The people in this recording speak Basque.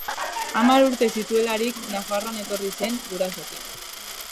Hamar urte zituelarik Nafarroara etorri zen gurasoekin.